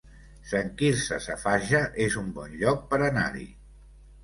Sant Quirze Safaja es un bon lloc per anar-hi